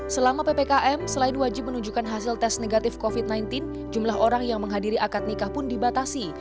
selama ppkm selain wajib menunjukkan hasil tes negatif covid sembilan belas jumlah orang yang menghadiri akad nikah pun dibatasi